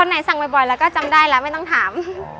ไหนสั่งบ่อยแล้วก็จำได้แล้วไม่ต้องถาม